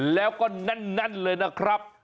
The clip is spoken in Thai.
แล้วก็แน่นเลยนะครับ